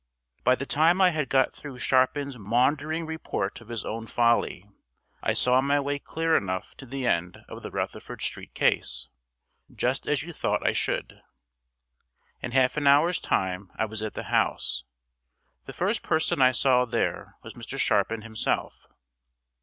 By the time I had got through Sharpin's maundering report of his own folly, I saw my way clear enough to the end of the Rutherford Street case, just as you thought I should. In half an hour's time I was at the house. The first person I saw there was Mr. Sharpin himself.